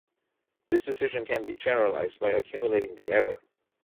This decision can be generalized by accumulating the error.